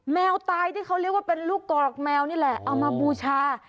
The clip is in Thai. แมวตายที่เขาเรียกว่าเป็นลูกกรอกแมวนี่แหละเอามาบูชา